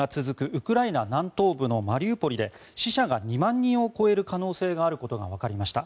ウクライナ南東部のマリウポリで死者が２万人を超える可能性があることがわかりました。